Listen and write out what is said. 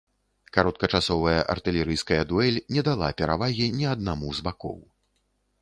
Кароткачасовая артылерыйская дуэль не дала перавагі ні аднаму з бакоў.